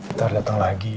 ntar datang lagi